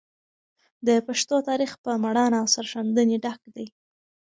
د پښتنو تاریخ په مړانه او سرښندنې ډک دی.